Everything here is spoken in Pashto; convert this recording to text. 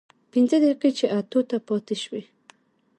پينځه دقيقې چې اتو ته پاتې سوې.